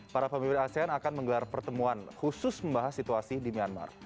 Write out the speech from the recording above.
para pemimpin asean akan menggelar pertemuan khusus membahas situasi di myanmar